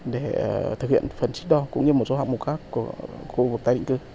để thực hiện phần trích đo cũng như một số hạng mục khác của khu vực tái định cư